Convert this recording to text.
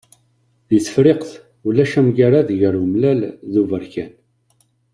Di Tefriqt, ulac amgarad gar umellal d uberkan.